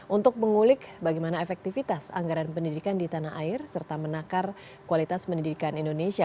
untuk mengulik bagaimana efektivitas anggaran pendidikan di tanah air serta menakar kualitas pendidikan indonesia